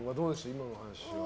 今の話は。